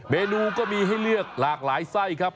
เมนูก็มีให้เลือกหลากหลายไส้ครับ